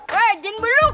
weh jin beluk